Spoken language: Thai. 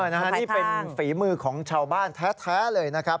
นี่เป็นฝีมือของชาวบ้านแท้เลยนะครับ